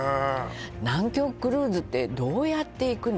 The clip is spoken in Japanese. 南極クルーズってどうやって行くの？